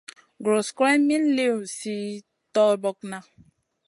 Guros guroyna min liwna zi torbokna.